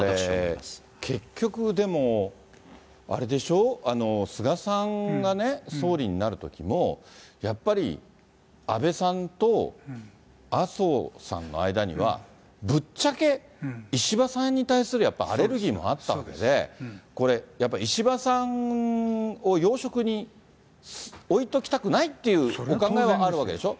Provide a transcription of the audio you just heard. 結局でも、あれでしょ、菅さんがね、総理になるときも、やっぱり安倍さんと麻生さんの間には、ぶっちゃけ石破さんに対するやっぱりアレルギーもあったので、これ、やっぱり石破さんを要職に置いときたくないっていうお考えはあるわけでしょう。